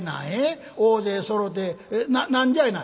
大勢そろて何じゃいな？」。